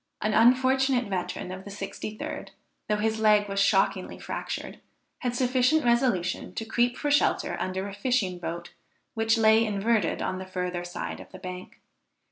An unfortunate veteran of the 63d, though his leg was shockingly fractured, had sufficient resolution to creep for shelter under a fishing boat which lay inverted on the further side of the bank.